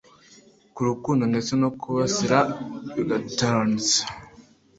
ko urukundo ndetse no kubasabira bitagabanutse.